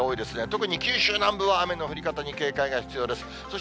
特に九州南部は雨の降り方に警戒が必要です。